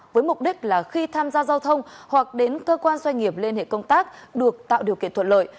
với mục đích là khi tham gia giao thông hoặc đến cơ quan doanh nghiệp liên hệ công tác được tạo điều kiện thuận lợi